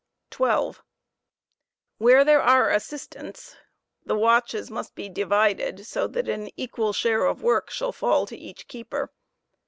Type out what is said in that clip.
watohea. 12. Where there are assistants, the watches must be divided so that an equal share of work shall fall to each keeper.